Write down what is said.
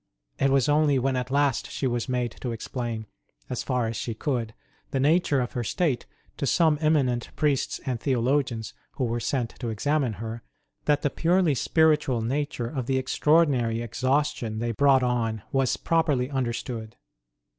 It was only when at last she was made to explain, as far as she could, the nature of her state to some eminent priests and theologians who were sent to examine her, that the purely spiritual nature of the extraordinary exhaustion they brought on was properly understood.